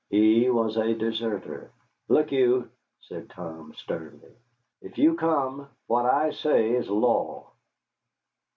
He was a deserter. "Look you," said Tom, sternly, "if you come, what I say is law."